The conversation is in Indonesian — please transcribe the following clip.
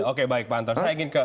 oke baik pak anton